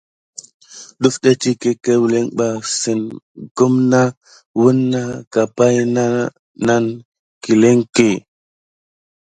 Dəfɗa étirké kaoulin bà sine kume nà wuna ka pay nà nane kilenké.